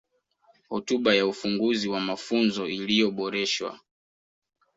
Hotuba ya Ufunguzi wa Mafunzo iliyoboreshwa